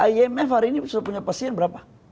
imf hari ini sudah punya pasien berapa